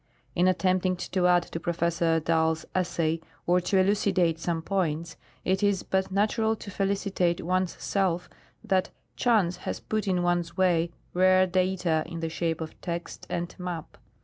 In attempting to add to Professor Dall's essay or to elucidate some points, it is but natural to felicitate one's self that chance has put in one's way rare data in the shajDe of text and map.